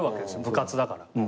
部活だから。